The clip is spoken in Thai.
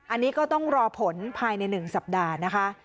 อันเราก็ต้องรอผลภายในหนึ่งสัปดาห์นะคะ